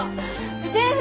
シェフ！